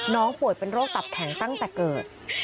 ป่วยเป็นโรคตับแข็งตั้งแต่เกิด